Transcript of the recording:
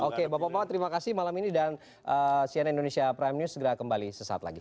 oke bapak bapak terima kasih malam ini dan cnn indonesia prime news segera kembali sesaat lagi